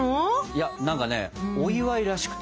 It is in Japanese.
いや何かねお祝いらしくてね。